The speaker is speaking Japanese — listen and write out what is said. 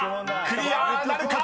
［クリアなるか⁉］